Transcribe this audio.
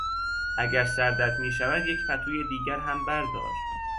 اگر سردت میشود یک پتوی دیگر هم بردار.